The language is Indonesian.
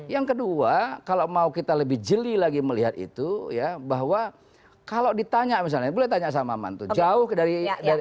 yang kedua kalau mau kita lebih jeli lagi melihat itu ya bahwa kalau ditanya misalnya boleh tanya sama mantu jauh dari